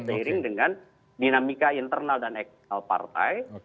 seiring dengan dinamika internal dan eksternal partai